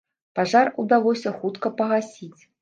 Пажар удалося хутка пагасіць.